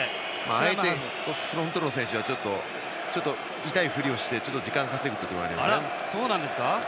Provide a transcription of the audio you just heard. あえてフロントローの選手は痛いふりをしてちょっと時間を稼ぐこともあります。